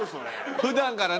普段からね